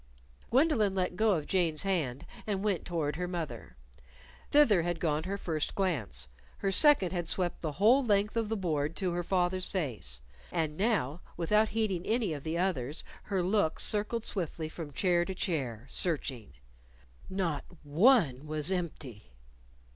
Gwendolyn let go of Jane's hand and went toward her mother. Thither had gone her first glance; her second had swept the whole length of the board to her father's face. And now, without heeding any of the others, her look circled swiftly from chair to chair searching. Not one was empty!